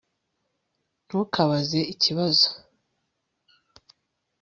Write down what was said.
Ntukabaze ikibazo